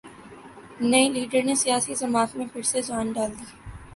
نئےلیڈر نے سیاسی جماعت میں پھر سے جان ڈال دی